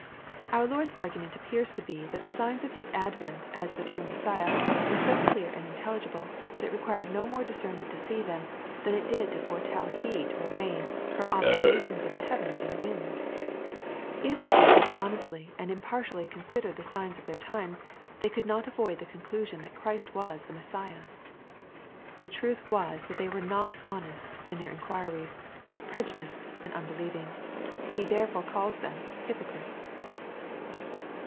] Our Lord's argument appears to be that the signs of His advent as the true Messiah, were so clear and intelligible, that it required no more discernment to see them, than it did to foretel heat or rain from observations of the heavens and the winds. If the Jews would honestly and impartially consider the signs of their times, they could not avoid the conclusion that Christ was the Messiah. The truth was that they were not honest in their in quiries, but prejudiced and unbeheving. He therefore calls them " hypocrites."